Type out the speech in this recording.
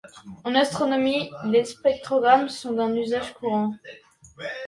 En astronomie, les spectrographes sont d'un usage courant.